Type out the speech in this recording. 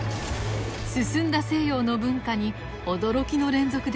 進んだ西洋の文化に驚きの連続でした。